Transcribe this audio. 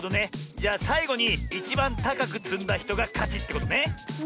じゃあさいごにいちばんたかくつんだひとがかちってことね！